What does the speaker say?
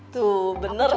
tuh bener kan